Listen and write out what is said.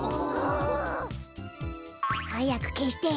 はやくけして。